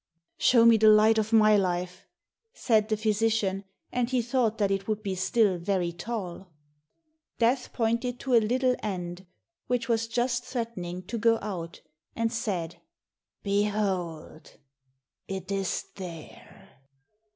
"Show me the light of my life," said the physician, and he thought that it would be still very tall. Death pointed to a little end which was just threatening to go out, and said, "Behold, it is there."